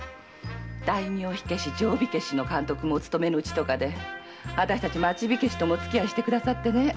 大名火消し・定火消しの監督もお勤めのうちとかで私たち町火消しともお付き合いくださって。